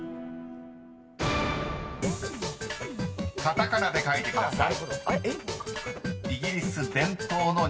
［カタカナで書いてください］